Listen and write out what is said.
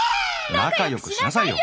仲よくしなさいよ！